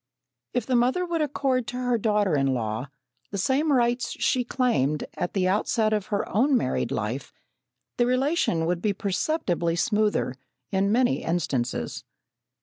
If the mother would accord to her daughter in law the same rights she claimed at the outset of her own married life, the relation would be perceptibly smoother in many instances.